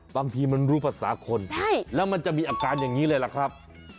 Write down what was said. บางทีมันรู้ภาษาคนแล้วมันจะมีอาการอย่างนี้เลยล่ะครับ